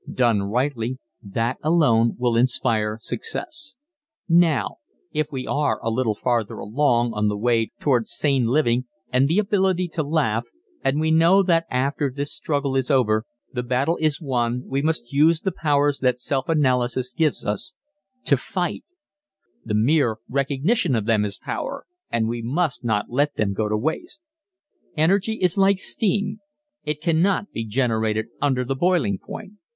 Done rightly that alone will inspire success. Now if we are a little farther along on the way towards sane living and the ability to laugh and we know that after this struggle is over the battle is won we must use the powers that self analysis gives us to fight. The mere recognition of them is power and we must not let them go to waste. Energy is like steam it cannot be generated under the boiling point.